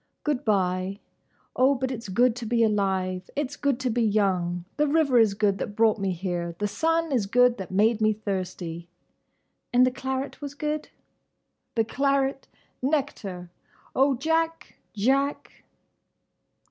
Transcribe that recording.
"Good bye. Oh, but it's good to be alive! It's good to be young! The river is good that brought me here! The sun is good that made me thirsty!" "And the claret was good?" "The claret—! Nectar!—Oh, Jack!—Jack!